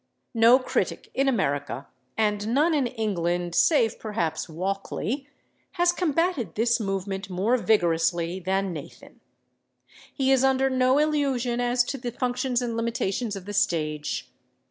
No critic in America, and none in England save perhaps Walkley, has combated this movement more vigorously than Nathan. He is under no illusion as to the functions and limitations of the stage.